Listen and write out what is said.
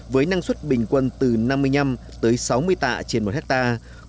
với năng suất bình quân từ năm mươi năm tới sáu mươi tạ trên một hectare